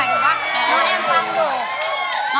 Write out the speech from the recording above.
น้องแอมฟังอยู่